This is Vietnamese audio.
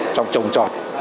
trong trồng trọt